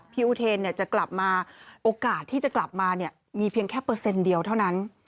อุเทนจะกลับมาโอกาสที่จะกลับมาเนี่ยมีเพียงแค่เปอร์เซ็นต์เดียวเท่านั้น